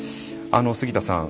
杉田さん